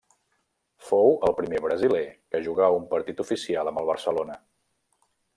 Fou el primer brasiler que jugà un partit oficial amb el Barcelona.